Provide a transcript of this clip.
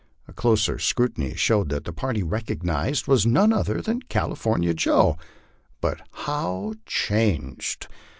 A closer scru tiny showed that the party recognized was none other than California Joe. But ho\v changed!